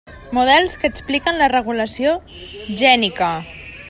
Models que expliquen la regulació gènica.